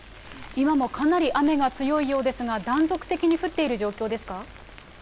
今もかなり雨が強いようですが、断続的に降っている状況です